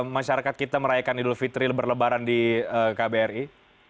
masyarakat kita merayakan idul fitri berlebaran di kbri